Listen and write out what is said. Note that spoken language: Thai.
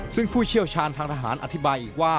ซึ่งผู้เชี่ยวชาญทางทหารอธิบายอีกว่า